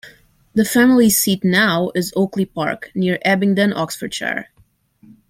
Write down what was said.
The family seat now is Oakley Park, near Abingdon, Oxfordshire.